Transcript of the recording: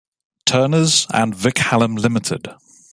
Turners, and Vic Hallam Limited.